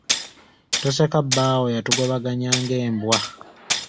Toseka bbaawo yatugobaganya ng'embwa.